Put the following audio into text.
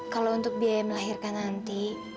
kalau untuk biaya melahirkan nanti